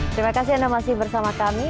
terima kasih anda masih bersama kami